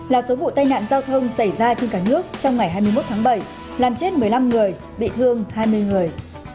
là số vụ tai nạn giao thông xảy ra trên cả nước trong ngày hai mươi một tháng bảy làm chết một mươi năm người bị thương hai mươi người